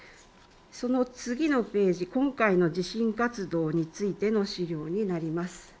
次のページ、今回の地震活動についての資料です。